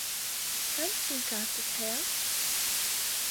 چەند سیمکارتت هەیە؟